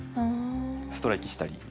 ストライキしたり。